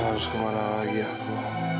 harus kemana lagi aku